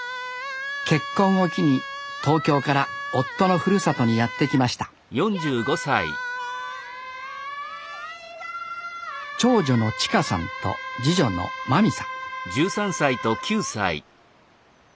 結婚を機に東京から夫のふるさとにやって来ました長女の知花さんと次女の麻未さん